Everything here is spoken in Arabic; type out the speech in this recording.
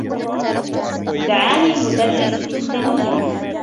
دعاني المدرّس بالسّمين.